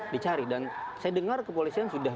dicari dan saya dengar kepolisian sudah